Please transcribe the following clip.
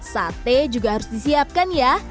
sate juga harus disiapkan ya